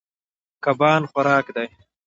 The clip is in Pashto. کبان خوراک دي.